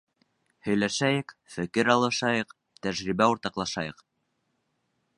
Һөйләшәйек, фекер алышайыҡ, тәжрибә уртаҡлашайыҡ.